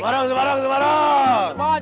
semarang semarang semarang